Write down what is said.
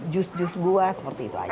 jus jus buah seperti itu aja